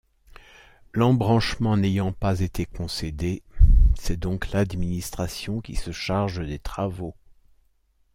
L'embranchement n'ayant pas été concédé, c'est donc l'administration qui se charge des travaux.